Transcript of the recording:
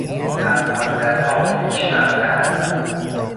از مدتها پیش رفتهاند.